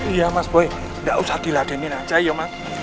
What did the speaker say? iya mas boy gak usah diladenin aja ya omang